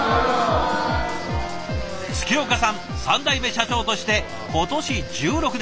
月岡さん３代目社長として今年１６年目。